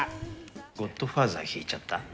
『ゴッドファーザー』弾いちゃった？